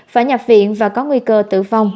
phải nhập viện và có nguy cơ tử vong